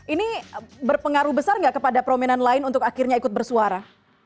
ini berpengaruh besar nggak kepada prominan lain untuk akhirnya ikut bersuara